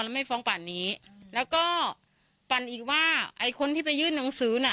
แล้วไม่ฟ้องป่านนี้แล้วก็ปั่นอีกว่าไอ้คนที่ไปยื่นหนังสือน่ะ